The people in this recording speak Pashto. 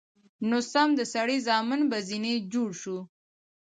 نو سم د سړي زامن به ځنې جوړ سو.